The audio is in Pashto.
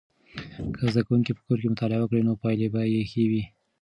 که زده کوونکي په کور کې مطالعه وکړي نو پایلې به یې ښې وي.